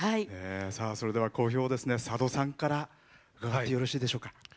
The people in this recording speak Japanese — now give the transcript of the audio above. それでは講評を佐渡さんから伺ってよろしいでしょうか。